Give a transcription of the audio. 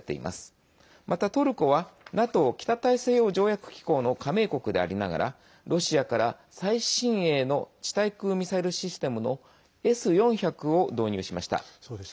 また、トルコはＮＡＴＯ＝北大西洋条約機構の加盟国でありながらロシアから最新鋭の地対空ミサイルシステムのＳ４００を導入しました。